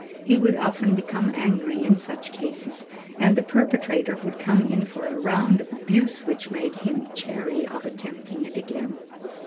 He would often become angry in such cases and the perpetrator would come in for a round of abuse which made him chary of attempting it again.